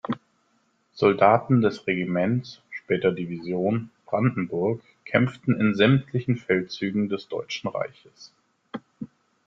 Soldaten des Regiments, später Division, Brandenburg kämpften in sämtlichen Feldzügen des Deutschen Reiches.